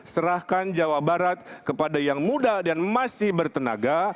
serahkan jawa barat kepada yang muda dan masih bertenaga